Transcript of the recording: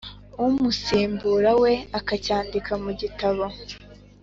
umusimbura we akacyandika mu gitabo